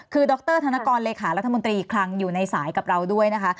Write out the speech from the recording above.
คือดรธนกรเลขารัฐมนตรีอีกครั้งอยู่ในสายกับเราด้วยนะคะ